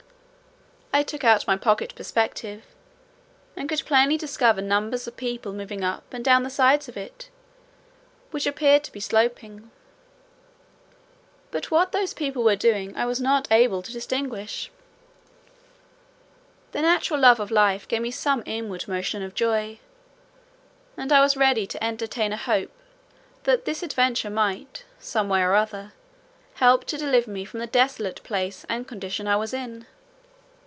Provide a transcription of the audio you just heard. I took out my pocket perspective, and could plainly discover numbers of people moving up and down the sides of it, which appeared to be sloping; but what those people were doing I was not able to distinguish. The natural love of life gave me some inward motion of joy, and I was ready to entertain a hope that this adventure might, some way or other, help to deliver me from the desolate place and condition I was in.